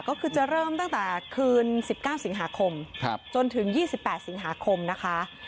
ก็คือจะเริ่มตั้งแต่คืน๑๙สิงหาคมจนถึง๒๘สิงหาคมนะคะ